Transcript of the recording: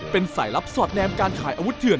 เป็นสายลับสอดแนมการขายอาวุธเถื่อน